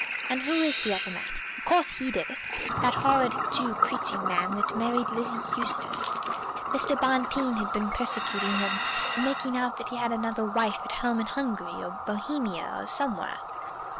"And who is the other man? Of course he did it." "That horrid Jew preaching man that married Lizzie Eustace. Mr. Bonteen had been persecuting him, and making out that he had another wife at home in Hungary, or Bohemia, or somewhere."